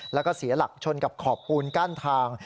แล้วก็เสียหลักชนกับขอบปูนกั้นทาง